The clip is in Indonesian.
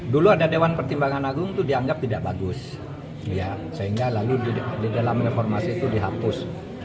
dulu ada dewan pertimbangan agung itu dianggap tidak bagus sehingga lalu di dalam reformasi itu dihapus